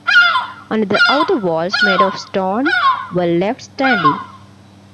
Only the outer walls, made of stone, were left standing.